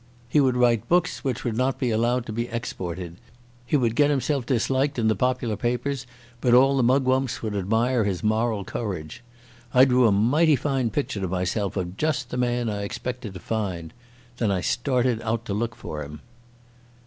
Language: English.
He would write books which would not be allowed to be exported. He would get himself disliked in the popular papers, but all the mugwumps would admire his moral courage. I drew a mighty fine picture to myself of just the man I expected to find. Then I started out to look for him."